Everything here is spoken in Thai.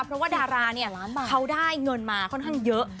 เพราะว่าดาราเนี่ยเขาได้เงินมาค่อนข้างเยอะ